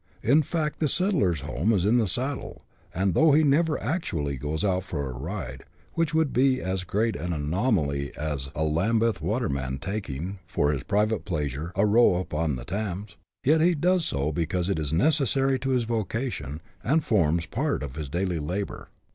In fact the settler's home is in the saddle ; and though he never actually goes out for a ride, which would be as great an anomaly as a Lambeth waterman taking, for his private pleasure, a row upon the Thames, yet he does so because it is necessary to his vocation, and forms part of his daily labour.